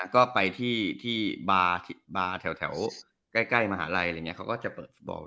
ก็ไปที่บาร์แถวใกล้มหาลัยอะไรอย่างนี้เขาก็จะเปิดฟุตบอล